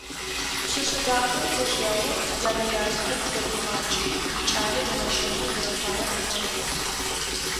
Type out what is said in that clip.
Пшъэшъэ дахэр зелъэгъум янэ ятэхэм заӏуигъакӏи икӏалэ ригъэщэнэу зэрэфаер ариӏуагъ.